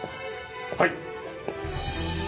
はい！